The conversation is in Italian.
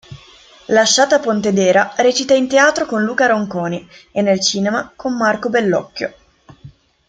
Lasciata Pontedera recita in teatro con Luca Ronconi e nel cinema con Marco Bellocchio.